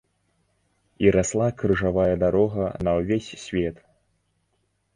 І расла крыжавая дарога на ўвесь свет.